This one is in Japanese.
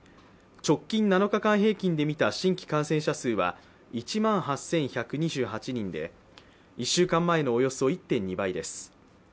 直近７日間平均でみた新規感染者数は、１万８１２８人で、１週間前のおよそ１．２倍です。